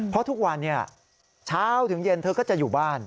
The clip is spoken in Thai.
เพราะทุกวันเช้าถึงเย็นเธอก็จะอยู่บ้าน